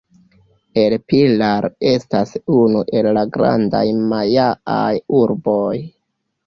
El Pilar estas unu el la grandaj majaaj urboj.